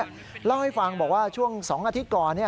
เล่าให้ฟังบอกว่าช่วง๒อาทิตย์ก่อน